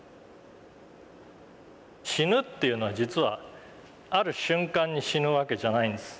「死ぬ」っていうのは実はある瞬間に死ぬわけじゃないんです。